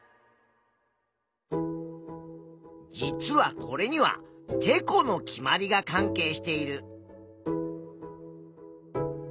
実はこれにはてこの決まりが関係している。